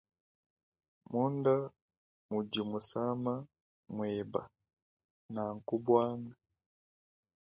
Munda mudi musama mueba naku buanga.